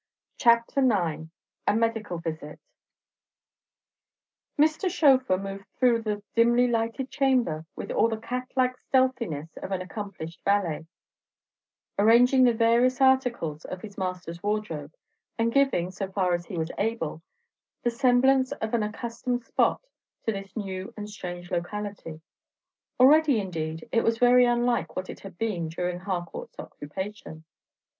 CHAPTER IX. A MEDICAL VISIT Mr. Schöfer moved through the dimly lighted chamber with all the cat like stealthiness of an accomplished valet, arranging the various articles of his master's wardrobe, and giving, so far as he was able, the semblance of an accustomed spot to this new and strange locality. Already, indeed, it was very unlike what it had been during Harcourt's occupation.